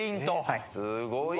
すごいな。